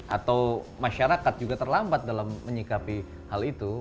atau masyarakat juga terlambat dalam menyikapi hal itu